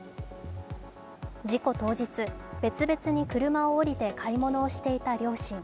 事故当日、別々に車を降りて買い物をしていた両親。